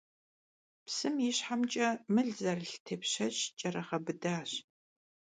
Psım yişhemç'e mıl zerılh têpşeç ç'erığebıdaş.